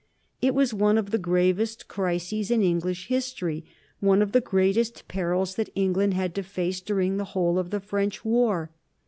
It was one of the gravest crises in English history, one of the greatest perils that England had to face during the whole of the French war.